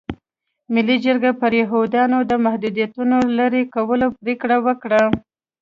ملي جرګې پر یهودیانو د محدودیتونو لرې کولو پرېکړه وکړه.